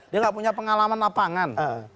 dia gak punya pengalaman lapangan